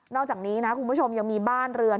อกจากนี้นะคุณผู้ชมยังมีบ้านเรือน